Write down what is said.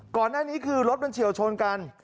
ก่อนหน้านี้คือรถมันเฉียวชนกัน